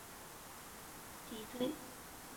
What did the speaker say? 雌狮对团体外的其他狮子是敌对的。